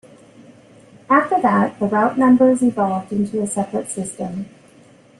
After that the route numbers evolved into a separate system.